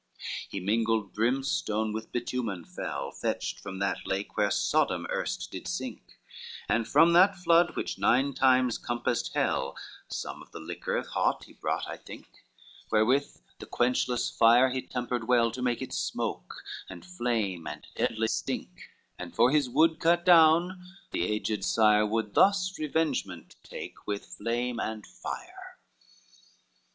XLVIII He mingled brimstone with bitumen fell Fetched from that lake where Sodom erst did sink, And from that flood which nine times compassed hell Some of the liquor hot he brought, I think, Wherewith the quenchless fire he tempered well, To make it smoke and flame and deadly stink: And for his wood cut down, the aged sire Would thus revengement take with flame and fire.